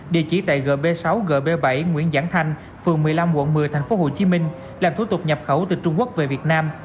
địa chỉ tại gb sáu gb bảy nguyễn giảng thanh phường một mươi năm quận một mươi tp hcm làm thủ tục nhập khẩu từ trung quốc về việt nam